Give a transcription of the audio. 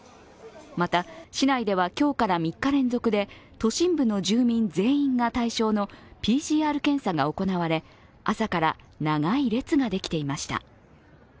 また市内では今日から３日連続で都心部の住民全員が対象のＰＣＲ検査が行われ朝から長い列ができていました。